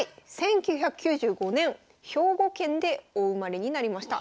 １９９５年兵庫県でお生まれになりました。